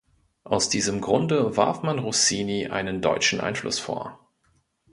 Aus diesem Grunde warf man Rossini einen deutschen Einfluss vor.